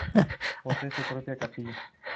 Posee su propia capilla.